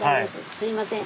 すいません。